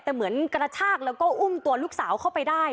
แต่เหมือนกระชากแล้วก็อุ้มตัวลูกสาวเข้าไปได้